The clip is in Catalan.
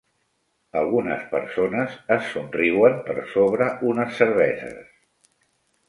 Algunes persones es somriuen per sobre unes cerveses.